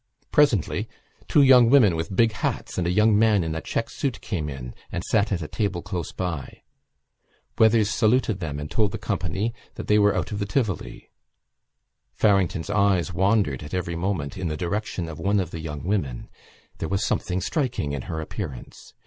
Presently two young women with big hats and a young man in a check suit came in and sat at a table close by. Weathers saluted them and told the company that they were out of the Tivoli. Farrington's eyes wandered at every moment in the direction of one of the young women. There was something striking in her appearance.